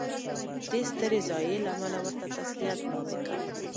دې سترې ضایعې له امله ورته تسلیت وړاندې کوم.